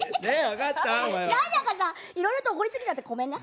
いろいろと怒り過ぎちゃってごめんね。